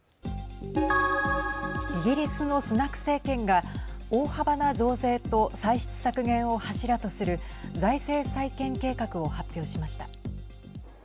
イギリスのスナク政権が大幅な増税と歳出削減を柱とする財政再建計画を発表しました。